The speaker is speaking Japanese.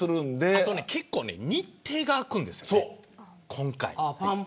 あと結構日程が空くんですよね、今回。